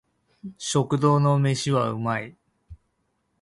食堂の飯は美味い